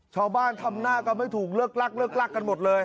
ชาวบ้านทำหน้าก็ไม่ถูกเลิกลักกันหมดเลย